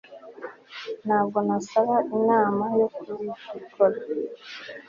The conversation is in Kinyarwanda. ntabwo nasaba inama yo kubikora